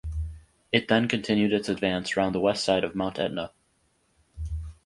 It then continued its advance round the west side of Mount Etna.